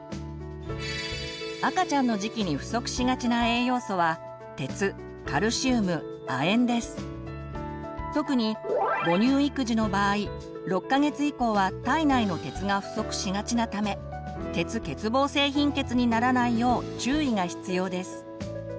赤ちゃんの時期に不足しがちな栄養素は特に母乳育児の場合６か月以降は体内の鉄が不足しがちなため鉄欠乏性貧血にならないよう注意が必要です。